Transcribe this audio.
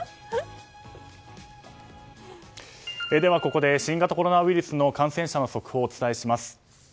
では、ここで新型コロナウイルスの感染者の速報をお伝えします。